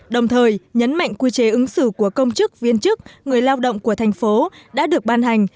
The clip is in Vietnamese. đồng thời nhấn mạnh quy chế ứng xử của công chức viên chức người lao động của thành phố đã được ban hành